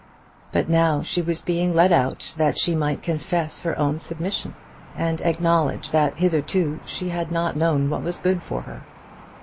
But now she was being led out that she might confess her own submission, and acknowledge that hitherto she had not known what was good for her.